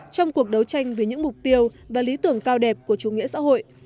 trong cuộc đấu tranh vì những mục tiêu và lý tưởng cao đẹp của chủ nghĩa xã hội